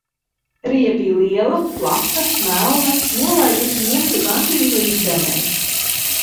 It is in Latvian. Rija bija liela, plata, melna, nolaidusi jumtu gandrīz līdz zemei.